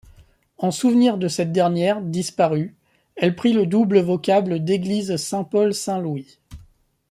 En souvenir de cette dernière, disparue, elle prit le double vocable d'église Saint-Paul-Saint-Louis.